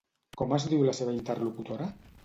Com es diu la seva interlocutora?